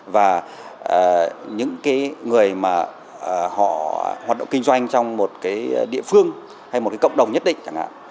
và những người mà họ hoạt động kinh doanh trong một cái địa phương hay một cái cộng đồng nhất định chẳng hạn